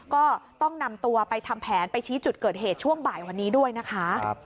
ก็ต้องนำตัวไปทำแผนไปชี้จุดเกิดเหตุช่วงบ่ายวันนี้ด้วยนะคะ